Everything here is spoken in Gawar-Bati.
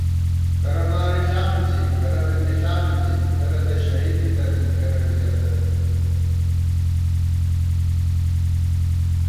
کرہ مارِݪا مِنزی کرہ بی مِݪا مِنزی کرہ تہ شہید بِتِنَئیت کرہ بی زېنتہ تھنَئیت